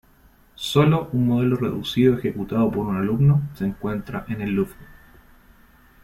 Sólo un modelo reducido ejecutado por un alumno se encuentra en el Louvre.